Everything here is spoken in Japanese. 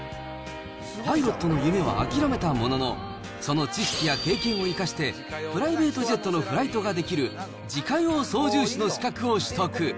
パイロットの夢は諦めたものの、その知識や経験を生かして、プライベートジェットのフライトができる自家用操縦士の資格を取得。